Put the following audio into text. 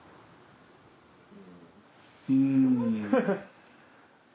うん。